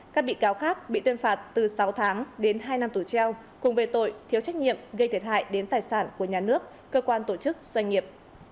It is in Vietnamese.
các bị cáo khác bị tuyên phạt từ sáu tháng đến hai năm tù treo cùng về tội thiếu trách nhiệm gây thiệt hại đến tài sản của nhà nước cơ quan tổ chức doanh nghiệp